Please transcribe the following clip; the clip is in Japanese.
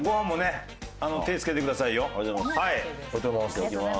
いただきます。